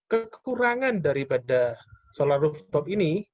kekurangan daripada solar stop ini